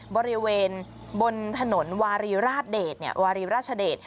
บริเวณบนถนนวารีราชเดชวารีราชเดช